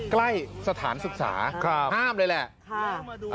ใกล้สถานศึกษาห้ามเลยแหละ